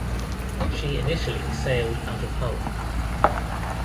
She initially sailed out of Hull.